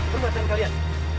perlu hati hati kalian